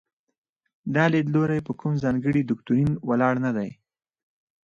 دا لیدلوری په کوم ځانګړي دوکتورین ولاړ نه دی.